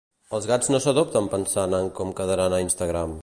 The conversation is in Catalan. Els gats no s'adopten pensant en com quedaran a Instagram.